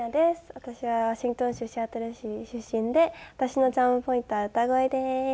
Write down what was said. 私はワシントン州シアトル市出身で私のチャームポイントは歌声です。